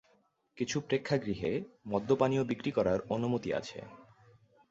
কিছু প্রেক্ষাগৃহে মদ্যপানীয় বিক্রি করার অনুমতি আছে।